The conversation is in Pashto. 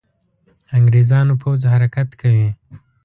انګرېزانو پوځ حرکت کوي.